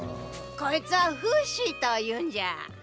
こいつはフシというんじゃ。